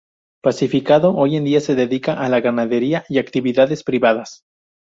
Pacificado, hoy día se dedica a la ganadería y actividades privadas.